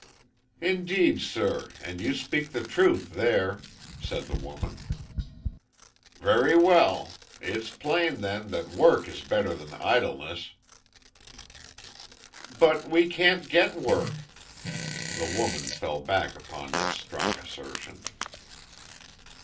"Indeed, sir, and you speak the truth there," said the woman. "Very well. It's plain, then, that work is better than idleness." "But we can't get work." The woman fell back upon this strong assertion.